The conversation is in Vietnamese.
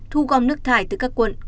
thu gom nước thải từ các quận